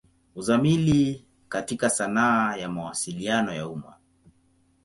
Uzamili katika sanaa ya Mawasiliano ya umma.